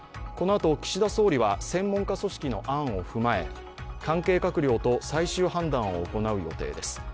このあと岸田総理は専門家組織の案を踏まえ、関係閣僚と最終判断を行う予定です。